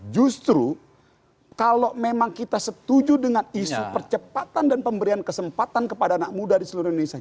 justru kalau memang kita setuju dengan isu percepatan dan pemberian kesempatan kepada anak muda di seluruh indonesia